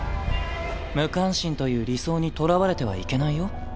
無関心という理想にとらわれてはいけないよ。